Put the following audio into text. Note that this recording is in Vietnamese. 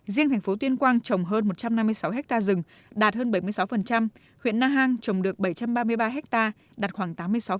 riêng thành phố tuyên quang trồng hơn một trăm năm mươi sáu ha rừng đạt hơn bảy mươi sáu huyện na hàng trồng được bảy trăm ba mươi ba ha đạt khoảng tám mươi sáu